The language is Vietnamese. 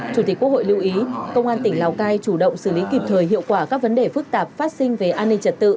chủ tịch quốc hội lưu ý công an tỉnh lào cai chủ động xử lý kịp thời hiệu quả các vấn đề phức tạp phát sinh về an ninh trật tự